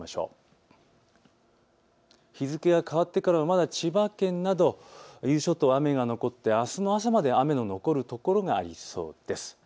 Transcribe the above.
日付が変わってからもまだ千葉県など伊豆諸島、雨が残ってあすの朝まで雨が残るところがあるでしょう。